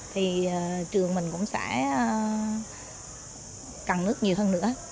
thì trường mình cũng sẽ cần nước nhiều hơn nữa